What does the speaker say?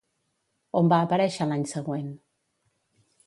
On va aparèixer l'any següent?